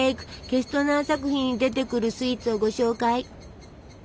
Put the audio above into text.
ケストナー作品に出てくるスイーツをご紹介。